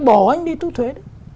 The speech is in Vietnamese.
bỏ anh đi thu thuế